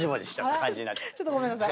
ちょっとごめんなさい。